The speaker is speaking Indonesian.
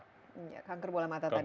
iya kanker bola mata tadi ya